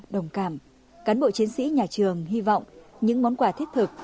đồng cảm cán bộ chiến sĩ nhà trường hy vọng những món quà thiết thực